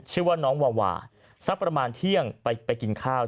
ชื่อว่าน้องวาวาสักประมาณเที่ยงไปกินข้าว